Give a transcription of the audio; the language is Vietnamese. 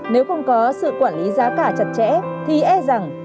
nếu không có sự quản lý giá cả chặt chẽ thì e rằng